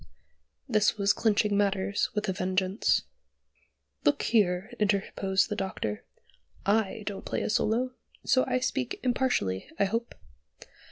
This was clinching matters with a vengeance. "Look here," interposed the Doctor. "I don't play a solo, so I speak impartially, I hope.